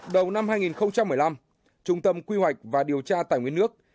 đầu năm hai nghìn một mươi năm trung tâm quy hoạch và điều tra tài nguyên nước